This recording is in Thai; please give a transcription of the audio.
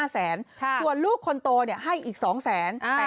ส่วนลูกคนโตให้อีก๒๐๐๐๐๐บาท